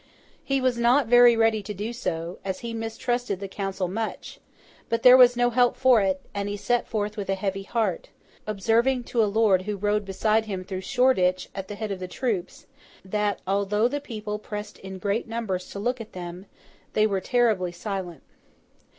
He was not very ready to do so, as he mistrusted the Council much; but there was no help for it, and he set forth with a heavy heart, observing to a lord who rode beside him through Shoreditch at the head of the troops, that, although the people pressed in great numbers to look at them, they were terribly silent.